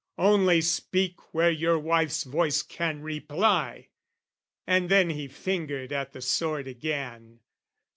"Only, speak where your wife's voice can reply!" And then he fingered at the sword again.